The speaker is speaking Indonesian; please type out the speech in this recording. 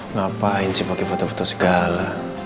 ngapain sih pakai foto foto segala